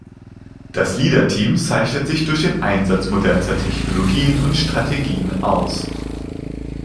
Das Leader-Team zeichnet sich durch den Einsatz modernster Technologien und Strategien aus.